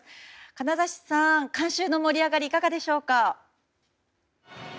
金指さん、観衆の盛り上がりはいかがでしょうか？